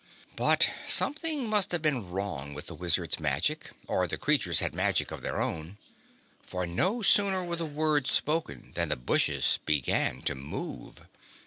But something must have been wrong with the Wizard's magic, or the creatures had magic of their own, for no sooner were the words spoken than the bushes began to move.